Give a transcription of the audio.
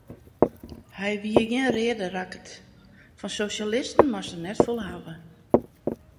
Hy wie gjin reade rakkert, fan sosjalisten moast er net folle hawwe.